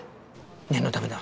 念のためだ。